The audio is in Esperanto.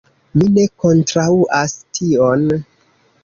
Mi ne kontraŭas tion.